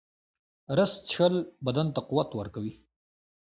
رس څښل بدن ته قوت ورکوي